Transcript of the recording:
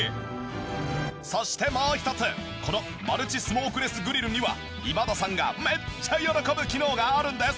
そしてもう一つこのマルチスモークレスグリルには今田さんがめっちゃ喜ぶ機能があるんです。